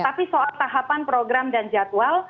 tapi soal tahapan program dan jadwal